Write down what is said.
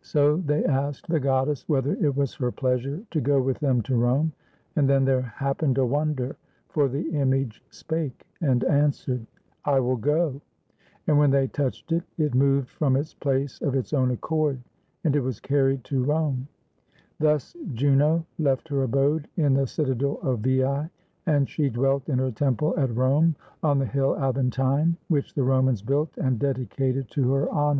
So they asked the goddess whether it was her pleasure to go with them to Rome. And then there hap pened a wonder, for the image spake and answered, "I will go"; and when they touched it, it moved from its place of its own accord, and it was carried to Rome, Thus Juno left her abode in the citadel of Veii, and she dwelt in her temple at Rome, on the hill Aventine, which the Romans built and dedicated to her honor.